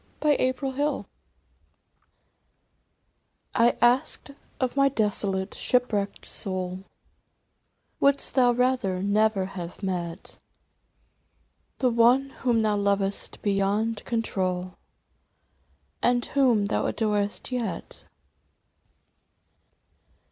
82 Worth while I ASKED of my desolate shipwrecked soul " Wouldst thou rather never have met The one whom thou lovedst beyond control And whom thou adorest yet